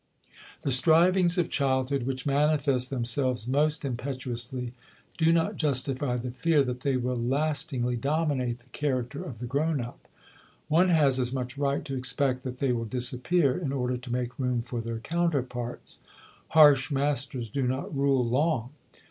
The strivings of childhood which manifest themselves most impetuously do not justify the fear that they will lastingly dominate the character of the grown up; one has as much right to expect that they will disappear in order to make room for their counterparts. (Harsh masters do not rule long.)